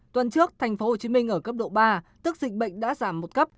tuần trước tp hcm ở cấp độ ba tức dịch bệnh đã giảm một cấp